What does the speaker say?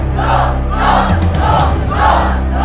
สู้ครับ